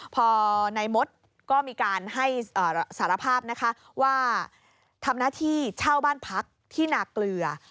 พอนายมดก็มีการให้สารภาพนะคะว่าทำหน้าที่เช่าบ้านพักที่นาเกลือ